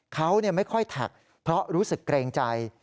เขาไม่ค่อยแท็กเพราะรู้สึกเกรงใจ